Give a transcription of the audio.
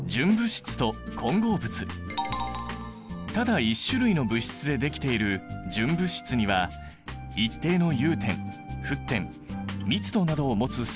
ただ１種類の物質でできている純物質には一定の融点沸点密度などを持つ性質がある。